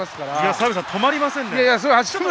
澤部さん、止まりませんな。